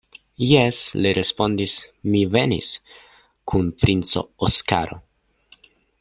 Jes, li respondis mi venis kun princo Oskaro.